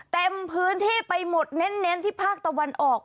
เต็มพื้นที่ไปหมดเน้นที่ภาคตะวันออก